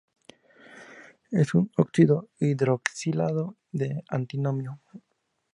Es un óxido hidroxilado de antimonio.